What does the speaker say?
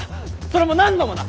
それも何度もだ。